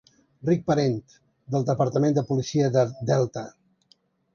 Rick Parent del Departament de policia de Delta.